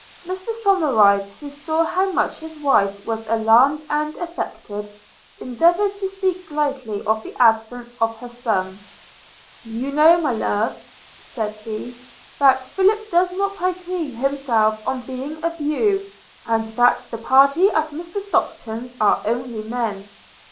Mr Somerive, who saw how much his wife was alarmed and affected, endeavoured to speak lightly of the absence of her son – 'You know, my love,' said he, 'that Philip does not pique himself on being a beau; and that the party at Mr Stockton's are only men.